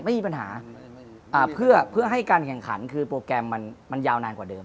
ไม่มีปัญหาเพื่อให้การแข่งขันคือโปรแกรมมันยาวนานกว่าเดิม